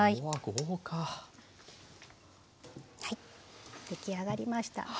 はい出来上がりました。